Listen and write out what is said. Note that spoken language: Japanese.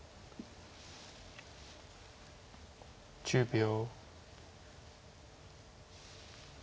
１０秒。